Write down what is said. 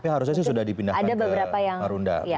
harusnya sih sudah dipindahkan ke marunda